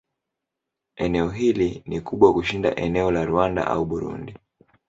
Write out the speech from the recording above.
Eneo hili ni kubwa kushinda eneo la Rwanda au Burundi.